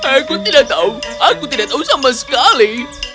aku tidak tahu aku tidak tahu sama sekali